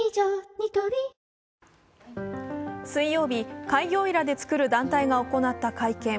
ニトリ水曜日、開業医らで作る団体が行った会見。